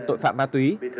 tội phạm ma túy